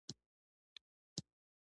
لیک د نظم د تمرین یوه لاره وه.